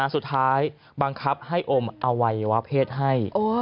สุดท้ายบังคับให้อมอวัยวะเพศให้